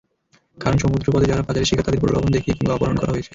কারণ সমুদ্রপথে যাঁরা পাচারের শিকার তাঁদের প্রলোভন দেখিয়ে কিংবা অপহরণ করা হয়েছে।